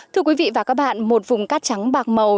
thưa quý vị và các bạn một vùng cát trắng bạc màu